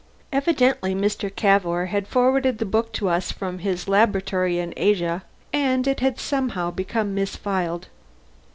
Evidently Mr. Cavour had forwarded the book to us from his laboratory in Asia, and it had somehow become misfiled.